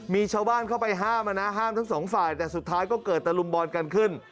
มีชาวบ้านเข้าไปห้ามนะห้ามทั้งสองฝ่ายแต่สุดท้ายก็เกิดตะลุมบอลกันขึ้น